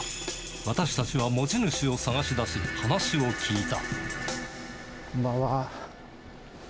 私たちは持ち主を捜し出し、話を聞いた。